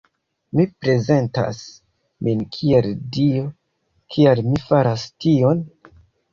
Mi prezentas min kiel Dio, kial mi faras tion?